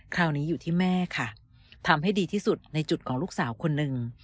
คราวนี้อยู่ที่แม่ค่ะทำให้ดีที่สุดในจุดของลูกสาวคนหนึ่ง